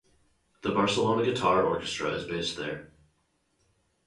The Barcelona Guitar Orchestra is based there.